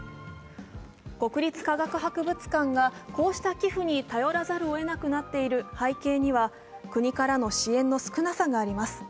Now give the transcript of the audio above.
国立科学博物館がこうした寄付に頼らざるをえなくなっている背景には国からの支援の少なさがあります。